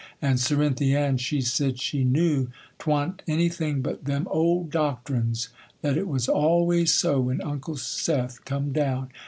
And Cerinthy Ann, she said she knew 'twa'n't anything but them old doctrines,—that it was always so when Uncle Seth come down.